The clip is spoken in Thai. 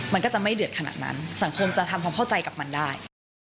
มันก็จะไม่เดือดขนาดนั้นสังคมจะทำความเข้าใจกับมันได้